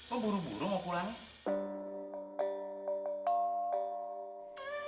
kok buru buru mau pulang